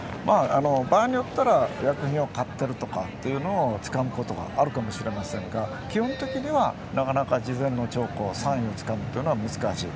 場合によっては薬品を買っているとか使うことがあるかもしれませんが基本的には、なかなか事前の兆候をつかむのは難しい。